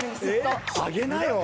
あげなよ。